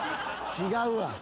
違うわ。